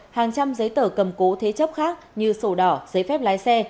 hàng trăm giấy tờ cầm cố thế chấp khác như sổ đỏ giấy phép lái xe